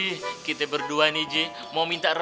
mau minta remisi soal hukuman yang pakcik kasih buat kita berdua